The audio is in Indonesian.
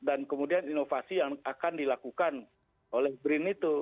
dan kemudian inovasi yang akan dilakukan oleh brin itu